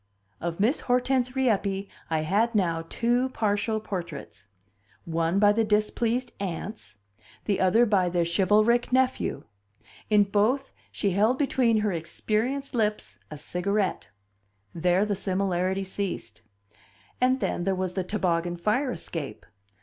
Of Miss Hortense Rieppe I had now two partial portraits one by the displeased aunts, the other by their chivalric nephew; in both she held between her experienced lips, a cigarette; there the similarity ceased. And then, there was the toboggan fire escape.